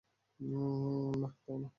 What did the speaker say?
নাহ, তাও না।